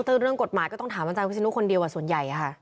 ซึ่งเรื่องกฎหมายก็ต้องถามอาจารย์วิศนุคนเดียวส่วนใหญ่ค่ะ